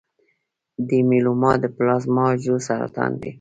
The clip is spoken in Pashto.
د میلوما د پلازما حجرو سرطان دی.